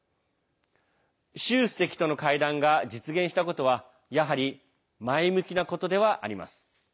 習主席との会談が実現したことはやはり前向きなことではあります。